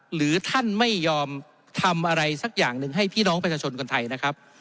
หรือท่านไม่ยอมทำอะไรสักอย่างหนึ่งให้พี่น้องประชาชนคนไทยนะครับ